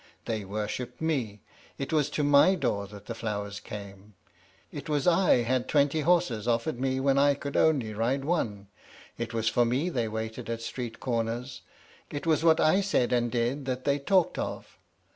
They worshipped me. It was to my door that the flowers came; it was I had twenty horses offered me when I could only ride one; it was for me they waited at street corners; it was what I said and did that they talked of.